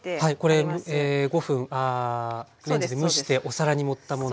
５分レンジで蒸してお皿に盛ったもの。